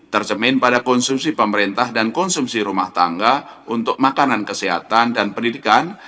tercemin pada konsumsi pemerintah dan konsumsi rumah tangga untuk makanan kesehatan dan pendidikan